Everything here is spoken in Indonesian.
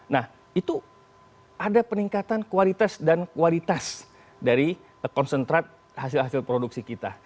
nah itu ada peningkatan kualitas dan kualitas dari konsentrat hasil hasil produksi kita